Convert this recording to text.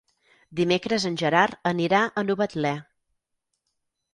Dimecres en Gerard anirà a Novetlè.